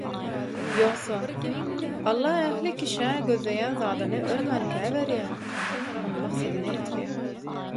Ýogsa, Alla ähli kişä gözleýän zadyny ölmänkä berýär, ony maksadyna ýetirýär.